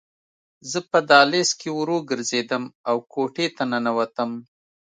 زه په دهلیز کې ورو ګرځېدم او کوټې ته ننوتم